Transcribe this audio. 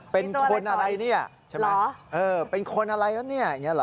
เป็นคนอะไรเนี่ยเป็นคนอะไรเนี่ยอย่างนี้หรอ